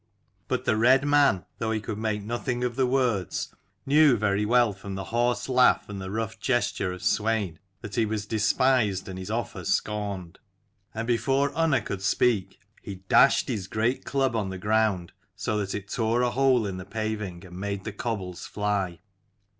But the red man, though he could make nothing of the words, knew very well from the horse laugh and the rough gesture of Swein that he was despised and his offer scorned: and before Unna could speak, he dashed his great club on the ground so that it tore a hole in the paving, and made the cobbles fly.